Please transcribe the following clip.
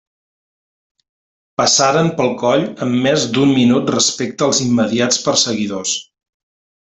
Passaren pel coll amb més d'un minut respecte als immediats perseguidors.